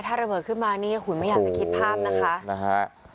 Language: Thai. ถ้าระเบิดขึ้นมานี่หุ่นไม่อยากจะคิดภาพนะคะนะฮะ